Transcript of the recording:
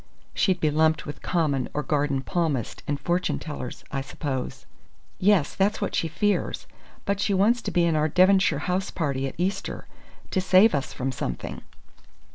"She'd be lumped with common or garden palmists and fortune tellers, I suppose." "Yes, that's what she fears. But she wants to be in our Devonshire house party at Easter to save us from something."